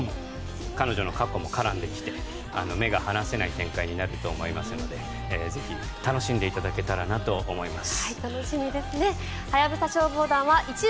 彼女の過去も絡んできて目が離せない展開になると思いますのでぜひ、楽しんでいただけたらなと思います。